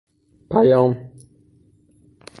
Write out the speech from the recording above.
پیام